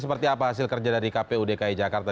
seperti apa hasil kerja dari kpu dki jakarta